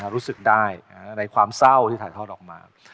รู้สึกได้ในความเศร้าที่ถ่ายทอดออกมา